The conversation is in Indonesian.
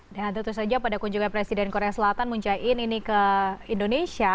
dan tentu saja pada kunjungan presiden korea selatan mun jai in ini ke indonesia